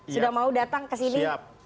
sudah mau datang ke sini